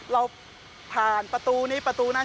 เราผ่านประตูนี้ประตูนั้น